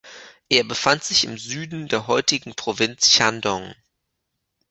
Er befand sich im Süden der heutigen Provinz Shandong.